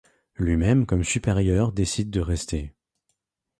Lui-même comme supérieur décide de rester.